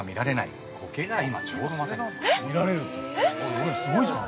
俺ら、すごいじゃん。